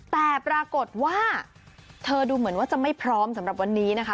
แต่ปรากฏว่าเธอดูเหมือนว่าจะไม่พร้อมสำหรับวันนี้นะคะ